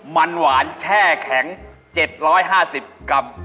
มันหวานแช่แข็ง๗๕๐กรัม